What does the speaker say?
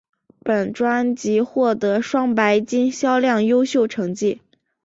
本专辑获得双白金销量优秀成绩。